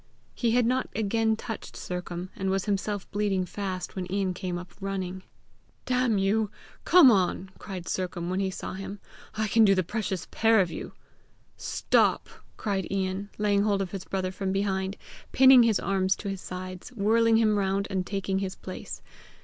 He had not again touched Sercombe, and was himself bleeding fast, when Ian came up running. "Damn you! come on!" cried Sercombe when he saw him; "I can do the precious pair of you!" "Stop!" cried Ian, laying hold of his brother from behind, pinning his arms to his sides, wheeling him round, and taking his place.